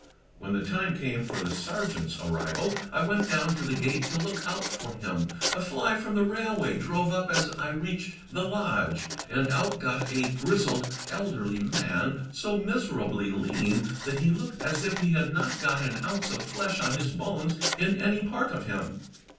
When the time came for the Sergeant's arrival I went down to the gate to look out for him. A fly from the railway drove up as I reached the lodge; and out got a grizzled, elderly man, so miserably lean that he looked as if he had not got an ounce of flesh on his bones in any part of him.